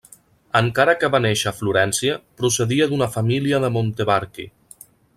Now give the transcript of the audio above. Encara que va néixer a Florència, procedia d'una família de Montevarchi.